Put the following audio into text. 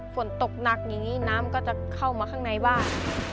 ฝนตกหนักอย่างนี้น้ำก็จะเข้ามาข้างในบ้าน